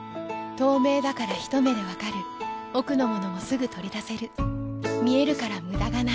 透明だからひと目で分かる奥の物もすぐ取り出せる見えるから無駄がないよし。